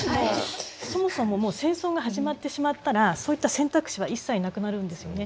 そもそももう戦争が始まってしまったらそういった選択肢は一切なくなるんですよね。